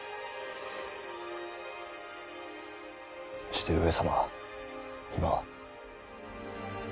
して上様は今は？